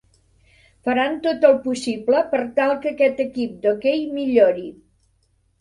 Faran tot el possible per tal que aquest equip d'hoquei millori.